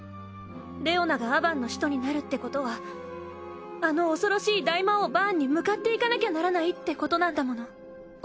レオナがアバンの使徒になるってことはあの恐ろしい大魔王バーンに向かっていかなきゃならないってことなんだもの。